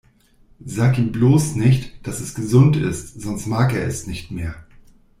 Sag ihm bloß nicht, dass es gesund ist, sonst mag er es nicht mehr.